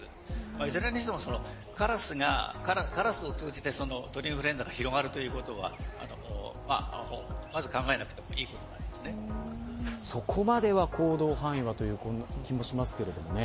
いずれにしてもカラスを通じて鳥インフルエンザが広がるということはまず考えなくてもそこまでは行動範囲はという気もしますけれどもね。